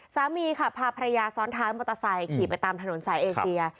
สามีขาพาพลิยาซ้อนถ้ามัตตาไส่ขี่ไปตามถนนไทยแอเชีย